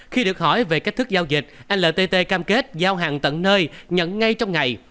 khi được hỏi về cách thức giao dịch ltt cam kết giao hàng tận nơi nhận ngay trong ngày